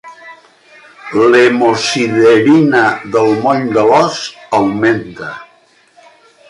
L'hemosiderina del moll de l'os augmenta.